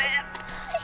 はい。